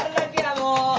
もう！